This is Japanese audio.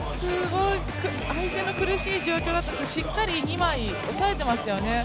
相手の苦しい状況、しっかり二枚抑えていましたよね。